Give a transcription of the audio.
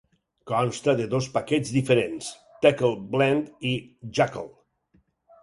Consta de dos paquets diferents: Tcl Blend i Jacl.